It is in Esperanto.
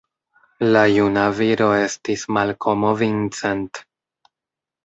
La juna viro estis Malkomo Vincent.